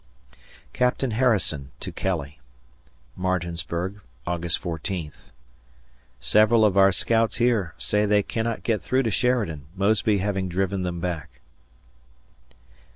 [Captain Harrison to Kelly] Martinsburg, August 14th. Several of our scouts here say they cannot get through to Sheridan, Mosby having driven them back.